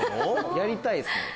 やりたいですね。